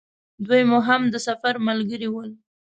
دوی مو هم د سفر ملګري ول.